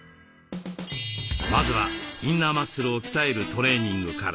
まずはインナーマッスルを鍛えるトレーニングから。